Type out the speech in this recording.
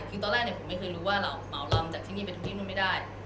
คือตอนแรกผมไม่เคยรู้ว่าเราเหมาลำจากที่นี่ไปทวงที่นู่นไม่ได้